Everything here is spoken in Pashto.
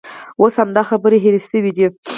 اوس همدا خبرې هېرې شوې دي.